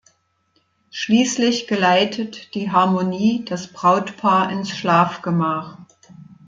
Schließlich geleitet die Harmonie das Brautpaar ins Schlafgemach.